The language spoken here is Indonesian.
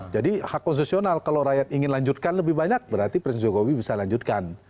jadi hak konsesional kalau rakyat ingin lanjutkan lebih banyak berarti presiden jokowi bisa lanjutkan